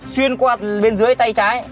xuyên qua bên dưới tay trái